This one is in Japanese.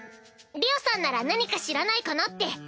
りおさんなら何か知らないかなって。